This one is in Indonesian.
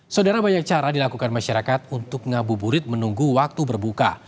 saudara banyak cara dilakukan masyarakat untuk ngabuburit menunggu waktu berbuka